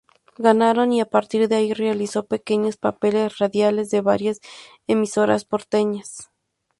Ganaron y a partir de allí realizó pequeños papeles radiales de varias emisoras porteñas.